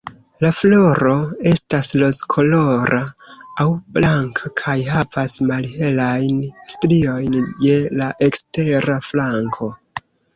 La floro estas rozkolora aŭ blanka kaj havas malhelajn striojn je la ekstera flanko.